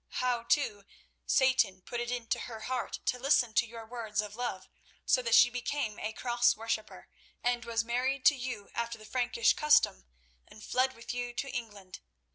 How, too, Satan put it into her heart to listen to your words of love, so that she became a Cross worshipper, and was married to you after the Frankish custom, and fled with you to England.